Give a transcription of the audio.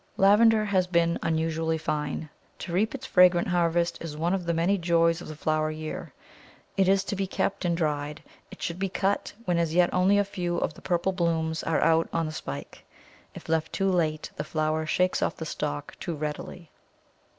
Lavender has been unusually fine; to reap its fragrant harvest is one of the many joys of the flower year. If it is to be kept and dried, it should be cut when as yet only a few of the purple blooms are out on the spike; if left too late, the flower shakes off the stalk too readily.